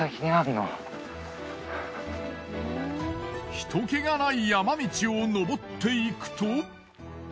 人けがない山道を上っていくと。